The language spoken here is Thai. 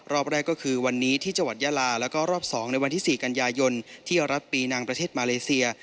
รอบแรกก็คือวันนี้ที่จังหวัดยาลาแล้วก็รอบ๒ในวันที่๔กันยายนที่รัฐปีนังประเทศมาเลเซีย